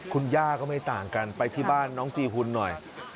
คุณย่าก็ไม่ต่างกันไปที่บ้านน้องจีหุ่นหน่อย